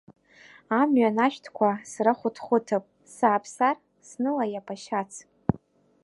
Амҩан ашәҭқәа срахәыҭхәыҭып, сааԥсар, снылаиап ашьац.